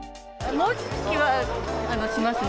餅つきはしますね。